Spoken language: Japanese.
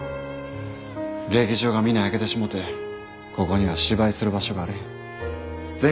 劇場が皆焼けてしもてここには芝居する場所があれへん。